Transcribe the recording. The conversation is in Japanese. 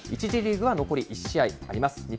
１次リーグは残り１試合あります。